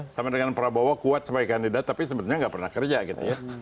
sama dengan prabowo kuat sebagai kandidat tapi sebenarnya nggak pernah kerja gitu ya